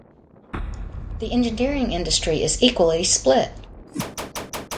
The engineering industry is equally split.